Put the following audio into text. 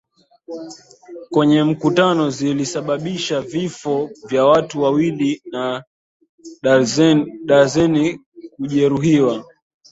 kwenye mkutano zilisababisha vifo vya watu wawili na darzeni kujeruhiwa